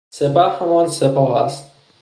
سپه، همان سپاه است